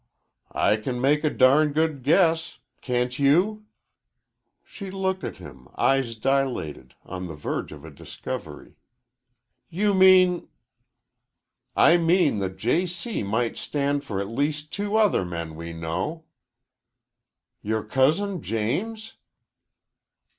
"I can make a darn good guess. Can't you?" She looked at him, eyes dilated, on the verge of a discovery. "You mean ?" "I mean that J. C. might stand for at least two other men we know." "Your cousin James?"